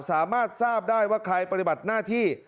สามารถทราบได้ว่าใครปฏิบัติหน้าที่